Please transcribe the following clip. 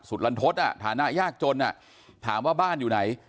สุดลันทดฐานะอยากจนถามว่าบ้านอยู่ใน